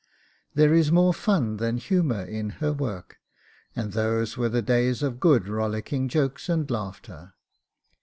There is more fun than humour in her work, and those were the days of good rollicking jokes and laughter.